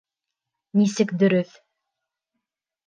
Нисек дөрөҫ?